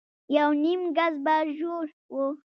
يونيم ګز به ژور و.